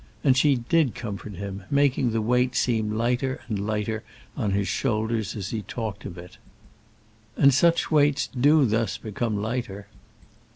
And she did comfort him, making the weight seem lighter and lighter on his shoulders as he talked of it. And such weights do thus become lighter.